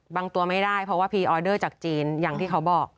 ตัวไม่ได้เพราะว่าพรีออเดอร์จากจีนอย่างที่เขาบอก